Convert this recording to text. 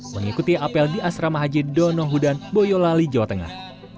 mengikuti apel di asrama haji donohudan boyolali jawa tengah